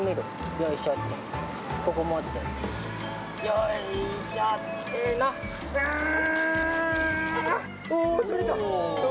よいしょってうん！